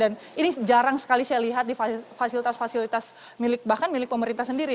dan ini jarang sekali saya lihat di fasilitas fasilitas milik bahkan milik pemerintah sendiri